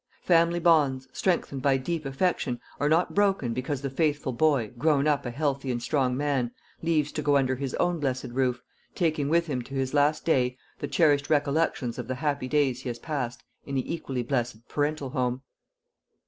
Family bonds, strengthened by deep affection, are not broken because the faithful boy, grown up a healthy and strong man, leaves to go under his own blessed roof, taking with him to his last day the cherished recollections of the happy days he has passed in the equally blessed parental home.